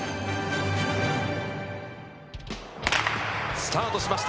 スタートしました。